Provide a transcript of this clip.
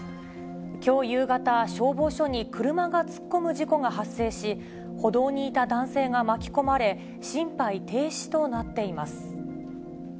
きょう夕方、消防署に車が突っ込む事故が発生し、歩道にいた男性が巻き込まれ、心肺停止となっています。